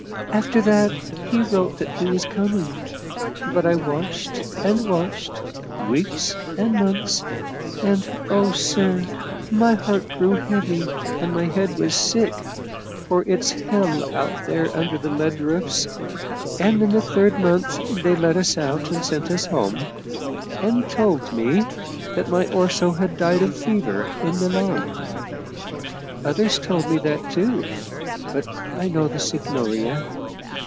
After that he wrote that he was coming. But I watched and watched, weeks and months, and oh, sir! my heart grew heavy and my head was sick for it's hell out there under the lead roofs. And in the third month they let us out and sent us home, and told me that my Orso had died of fever in Milan. Others told me that, too but I know the Signoria.